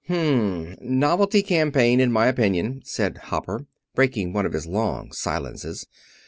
"H m, novelty campaign, in my opinion," said Hopper, breaking one of his long silences.